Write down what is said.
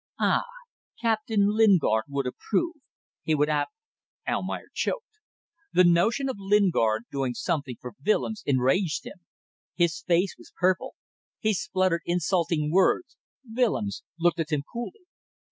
"Ah! Captain Lingard would approve! He would app ..." Almayer choked. The notion of Lingard doing something for Willems enraged him. His face was purple. He spluttered insulting words. Willems looked at him coolly.